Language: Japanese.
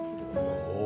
おお！